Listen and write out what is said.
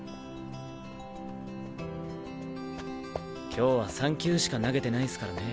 今日は３球しか投げてないスからね。